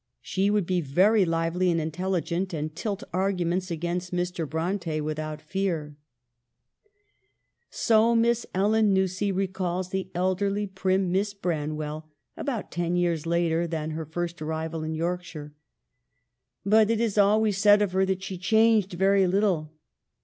... She would be very lively and intelligent, and tilt arguments against Mr. Bronte without fear." 32 EMILY BRONTE. So Miss Ellen Nussey recalls the elderly, prim Miss Branwell about ten years later than her first arrival in Yorkshire. But it is always said of her that she changed very little.